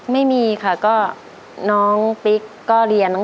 ไม่มีค่ะก็น้องปิ๊กก็เรียนน้อง